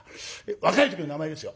若い時の名前ですよ。